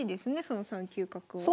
その３九角を。